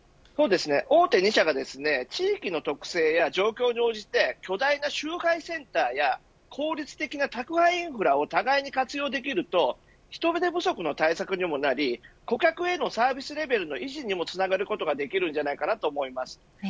大手２社が地域の特性や状況に応じて巨大な集配センターや効率的な宅配インフラを互いに活用できると人手不足の対策にもなり顧客へのサービスレベルの維持にもつながることができると思います。